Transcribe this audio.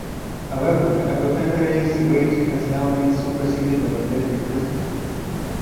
However, apothecaries' weight has now been superseded by the metric system.